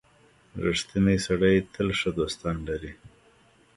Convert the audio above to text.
• رښتینی سړی تل ښه دوستان لري.